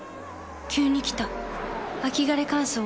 急に来た秋枯れ乾燥。